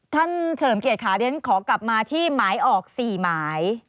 เฉลิมเกียรติค่ะเรียนขอกลับมาที่หมายออก๔หมาย